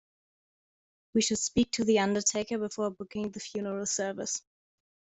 We should speak to the undertaker before booking the funeral service